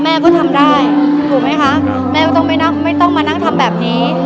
แม่ก็ทำได้ถูกไหมคะแม่ก็ต้องไม่ต้องมานั่งทำแบบนี้